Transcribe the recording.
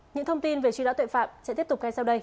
những thông tin về truy nã tội phạm sẽ tiếp tục ngay sau đây